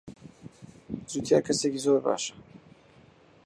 جوتیار کەسێکی زۆر باشە.